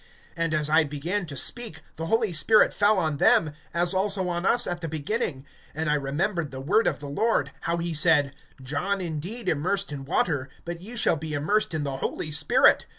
(15)And as I began to speak, the Holy Spirit fell on them, as also on us at the beginning; (16)and I remembered the word of the Lord, how he said: John indeed immersed in water, but ye shall be immersed in the Holy Spirit.